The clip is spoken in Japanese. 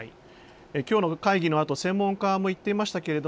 きょうの会議のあと専門家も言っていましたが。